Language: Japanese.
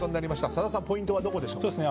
笹田さんポイントはどこでしょうか？